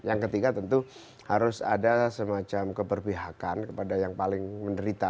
yang ketiga tentu harus ada semacam keberpihakan kepada yang paling menderita